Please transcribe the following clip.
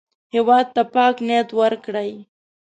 هېواد ته پاک نیت ورکړئ